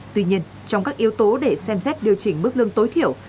tuy nhiên trong các yếu tố để xem xét điều chỉnh mức lương tối thiểu